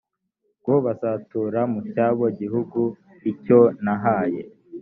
bwo bazatura mu cyabo gihugu icyo nahaye